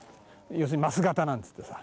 要するに枡形なんていってさ。